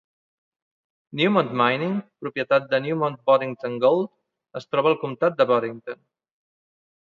Newmont Mining, propietat de Newmont Boddington Gold, es troba al comtat de Boddington.